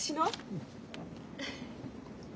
うん。